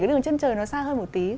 đường chân trời nó xa hơn một tí